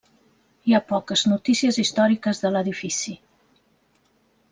Hi ha poques notícies històriques de l'edifici.